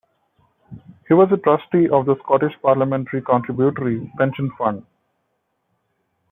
He was a trustee of the Scottish Parliamentary Contributory Pension Fund.